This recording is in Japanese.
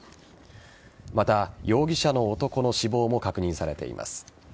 また、容疑者の男の死亡も確認されています。